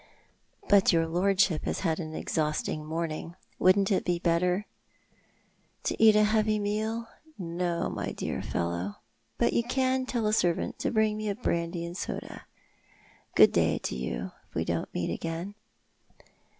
"But your lordship has had an exhausting morning. Wouldn't it be better "" To eat a heavy meal. No, my dear fellow. But you can tell a servant to bring me a brandy and soda. Good day to you, if we don't meet again."